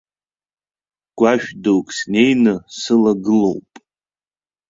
Гәашә дук снеины сылагылоуп.